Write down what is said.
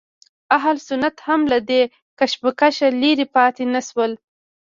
اهل سنت هم له دې کشمکشه لرې پاتې نه شول.